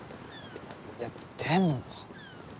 いやでも。